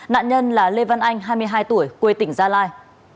nạn nhân là lê văn anh hai mươi hai tuổi quê tỉnh gia lai